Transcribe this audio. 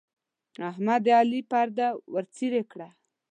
احمد د علي پرده ورڅيرې کړه.